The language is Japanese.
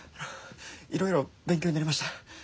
いろいろ勉強になりました。